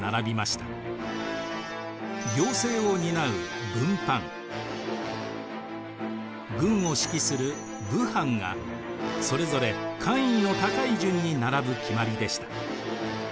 行政を担う文班軍を指揮する武班がそれぞれ官位の高い順に並ぶ決まりでした。